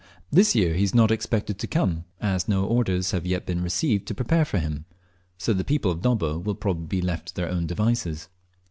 This year he is not expected to come, as no orders have yet been received to prepare for him; so the people of Dobbo will probably be left to their own devices.